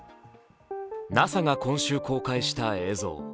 ＮＡＳＡが今週公開した映像。